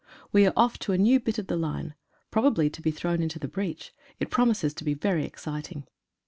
We are off to a new bit of the line, probably to be thrown into the breach. It promises to be very exciting.